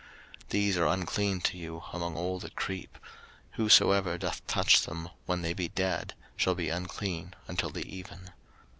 03:011:031 These are unclean to you among all that creep: whosoever doth touch them, when they be dead, shall be unclean until the even.